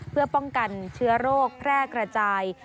เพื่อป้องกันเชื้อโรคแพร่กระจาย